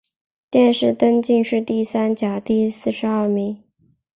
殿试登进士第三甲第四十二名。